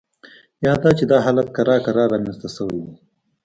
یا دا چې دا حالت کرار کرار رامینځته شوی دی